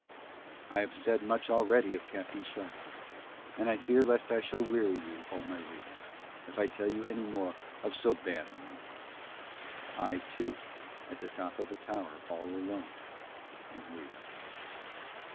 I have said much already of Captain Shard and I fear lest I shall weary you, O my reader, if I tell you any more of so bad a man. I too at the top of a tower all alone am weary.